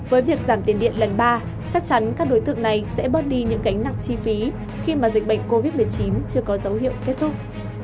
với việc giảm tiền điện lần ba chắc chắn các đối tượng này sẽ bớt đi những gánh nặng chi phí khi mà dịch bệnh covid một mươi chín chưa có dấu hiệu kết thúc